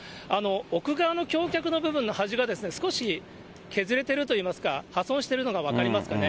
奥側の橋脚の部分の端が、少し削れているといいますか、破損しているのが分かりますかね。